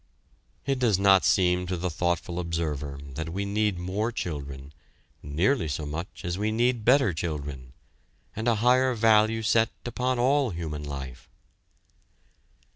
It does not seem to the thoughtful observer that we need more children nearly so much as we need better children, and a higher value set upon all human life.